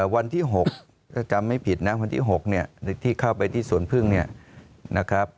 วันที่๖ถ้าจำไม่ผิดนะวันที่๖เนี่ยที่เข้าไปที่สวนพึ่งเนี่ยนะครับ